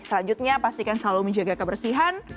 selanjutnya pastikan selalu menjaga kebersihan